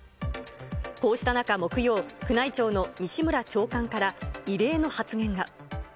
こうした中、木曜、宮内庁の西村長官から、異例の発言が。